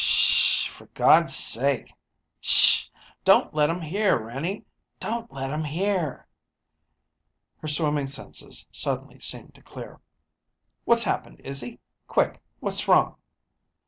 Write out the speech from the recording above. "'Sh h h, for God's sake! 'Sh h! Don't let 'em hear, Renie. Don't let 'em hear!" Her swimming senses suddenly seemed to clear. "What's happened, Izzy? Quick! What's wrong?"